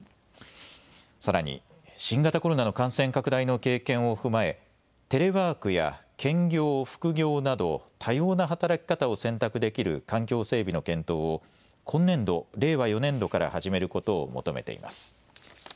さらに新型コロナの感染拡大の経験を踏まえ、テレワークや兼業・副業など多様な働き方を選択できる環境整備の検討を今年度令和４年度から始めることを求めています。